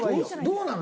どうなの？